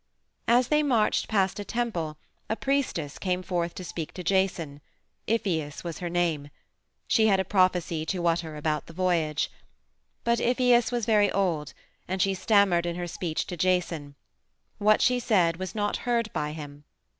As they marched past a temple a priestess came forth to speak to Jason; Iphias was her name. She had a prophecy to utter about the voyage. But Iphias was very old, and she stammered in her speech to Jason. What she said was not heard by him.